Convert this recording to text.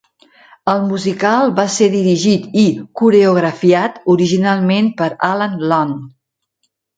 El musical va ser dirigit i coreografiat originalment per Alan Lund.